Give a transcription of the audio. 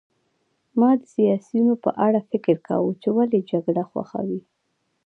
ما د سیاسیونو په اړه فکر کاوه چې ولې جګړه خوښوي